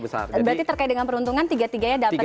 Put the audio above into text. berarti terkait dengan peruntungan tiga tiganya dapat